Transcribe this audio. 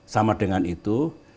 sama dengan itu